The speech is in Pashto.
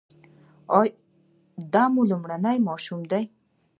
دا مو لومړی ماشوم دی؟